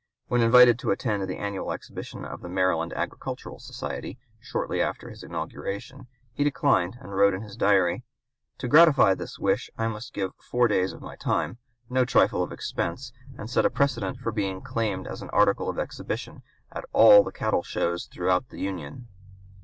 When invited to attend the annual exhibition of the Maryland Agricultural Society, shortly after his inauguration, he declined, and wrote in his Diary: "To gratify this wish I must give four days of my time, no trifle of expense, and set a precedent for being claimed as an article of exhibition at all the cattle shows throughout the Union."